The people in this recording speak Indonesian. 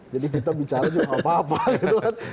jadi kita bicara juga nggak apa apa gitu kan